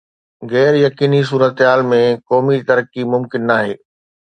غير يقيني صورتحال ۾ قومي ترقي ممڪن ناهي.